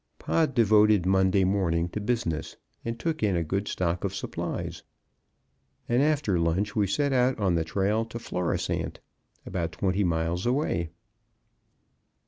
Pod devoted Monday morning to business, and took in a good stock of supplies, and after lunch we set out on the trail to Florisant, about twenty miles away.